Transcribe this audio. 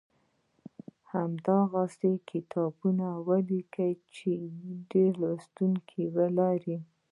هغه داسې کتابونه ولیکل چې ډېر لوستونکي یې لرل